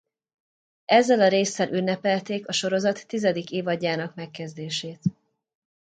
Ezzel a résszel ünnepelték a sorozat tizedik évadjának megkezdését.